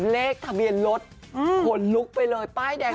เลขทะเบียนรถขนลุกไปเลยป้ายแดง